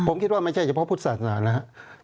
ผมคิดว่าไม่ใช่เฉพาะพุทธศาสนานะครับ